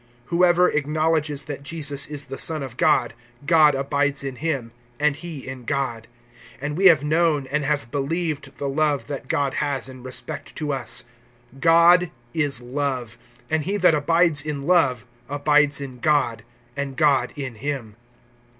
(15)Whoever acknowledges that Jesus is the Son of God, God abides in him, and he in God. (16)And we have known, and have believed, the love that God has in respect to us. God is love; and he that abides in love abides in God, and God in him.